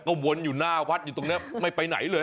ก็วนอยู่หน้าวัดอยู่ตรงนี้ไม่ไปไหนเลย